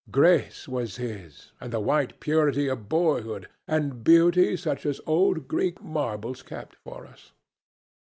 Grace was his, and the white purity of boyhood, and beauty such as old Greek marbles kept for us.